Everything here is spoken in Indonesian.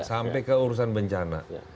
sampai ke urusan bencana